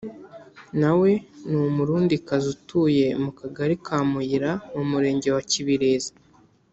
na we ni Umurundikazi atuye mu kagari ka Muyira mu murenge wa Kibirizi